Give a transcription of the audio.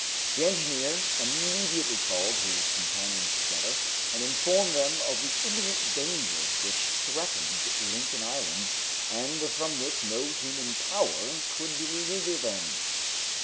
The engineer immediately called his companions together, and informed them of the imminent danger which threatened Lincoln Island, and from which no human power could deliver them.